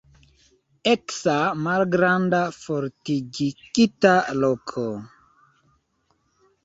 Eksa malgranda fortikigita loko.